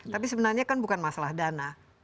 tapi sebenarnya kan bukan masalah dana